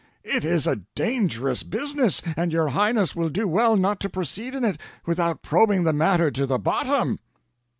It is a dangerous business, and your Highness will do well not to proceed in it without probing the matter to the bottom."